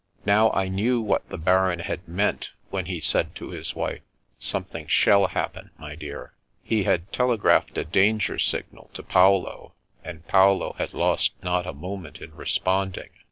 Now I knew what the Baron had meant when he said to his wife : '^Something shall happen, my dear." He had telegraphed a danger signal to Paolo, and Paolo had lost not a moment in responding.